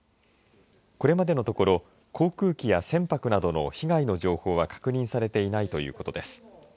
これまでのところ航空機や船舶などの被害の情報は確認されていないということです。